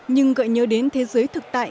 nhưng gợi nhớ đến thế giới thực tại